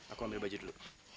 aku ambil baju dulu